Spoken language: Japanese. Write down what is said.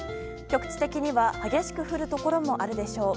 局地的には激しく降るところもあるでしょう。